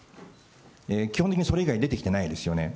基本的にそれ以外出てきてないですよね。